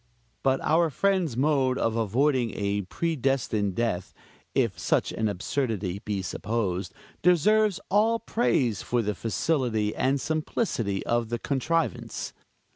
But our friend's mode of avoiding a predestined death if such an absurdity be supposed deserves all praise for the facility and simplicity of the contrivance.